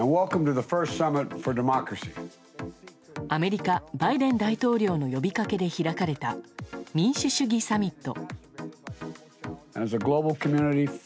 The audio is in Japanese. アメリカ、バイデン大統領の呼びかけで開かれた民主主義サミット。